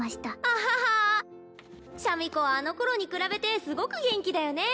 アハハシャミ子はあの頃に比べてすごく元気だよね